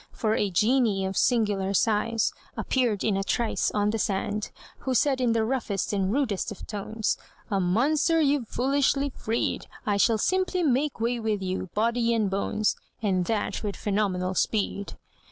For a genie of singular size Appeared in a trice on the sand, Who said in the roughest and rudest of tones: "A monster you've foolishly freed! I shall simply make way with you, body and bones, And that with phenomenal speed!"